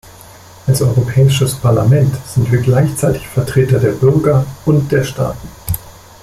Als Europäisches Parlament sind wir gleichzeitig Vertreter der Bürger und der Staaten.